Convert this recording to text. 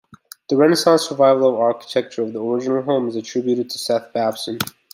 The Renaissance Revival architecture of the original home is attributed to Seth Babson.